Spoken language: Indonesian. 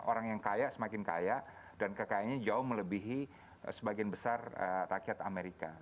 orang yang kaya semakin kaya dan kekayaannya jauh melebihi sebagian besar rakyat amerika